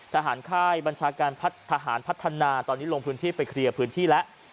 ค่ายบัญชาการทหารพัฒนาตอนนี้ลงพื้นที่ไปเคลียร์พื้นที่แล้ว